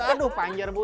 aduh panjer bu